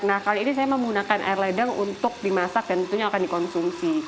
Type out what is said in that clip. nah kali ini saya menggunakan air ledeng untuk dimasak dan tentunya akan dikonsumsi